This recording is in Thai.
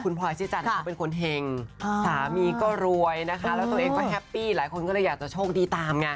พลอยชื่อจันทร์เขาเป็นคนเห็งสามีก็รวยนะคะแล้วตัวเองก็แฮปปี้หลายคนก็เลยอยากจะโชคดีตามไง